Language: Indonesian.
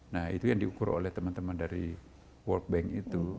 nah itu yang diukur oleh teman teman dari world bank itu